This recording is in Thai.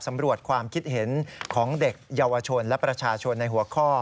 สำรวจความคิดเห็นของเด็กเยาวชนและประชาชนในหัวข้อ